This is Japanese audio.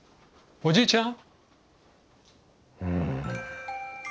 おじいちゃん！